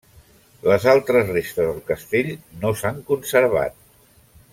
Les altres restes del castell no s'han conservat.